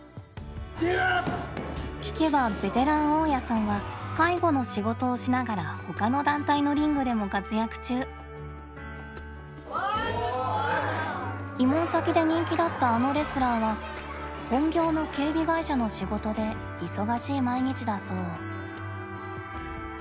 聞けばベテラン大矢さんは介護の仕事をしながら他の団体のリングでも活躍中。わすごい！慰問先で人気だったあのレスラーは本業の警備会社の仕事で忙しい毎日だそう。